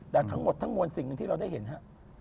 แต่ทั้งหมดทั้งมวลสิ่งหนึ่งที่เราได้เห็นฮะ